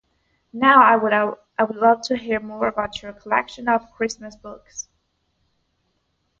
Now, I would love to hear more about your collection of Christmas books.